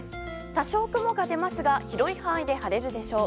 多少雲が出ますが広い範囲で晴れるでしょう。